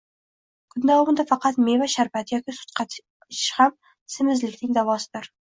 Kun davomida faqat meva sharbati yoki sut-qatiq ichish ham semizlikning davosidir.